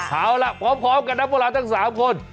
เอาล่ะพร้อมกันนะพวกเราทั้ง๓คน